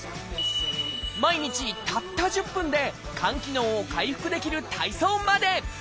毎日たった１０分で肝機能を回復できる体操まで。